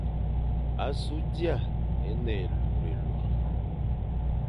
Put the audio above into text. Asu d ia e ne élurélur.